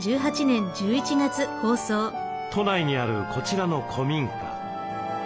都内にあるこちらの古民家。